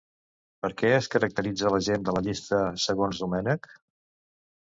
Per què es caracteritza la gent de la llista, segons Domènech?